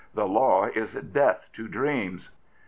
The law is death to dreams.